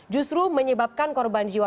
justru menyebabkan korban jiwa